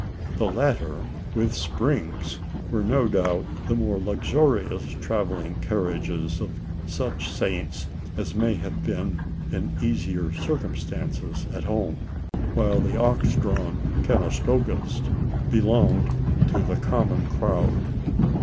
The latter, with springs, were no doubt the more luxurious travelling carriages of such Saints as may have been in easier circumstances at home; while the ox drawn "Conestogas" belonged to the common crowd.